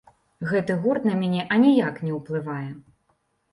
Гэты гурт на мяне аніяк не ўплывае.